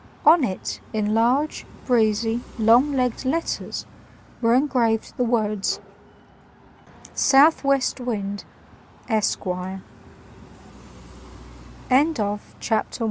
On it, in large, breezy, long legged letters, were engraved the words: SOUTH WEST WIND, ESQUIRE CHAPTER II OF THE PROCEE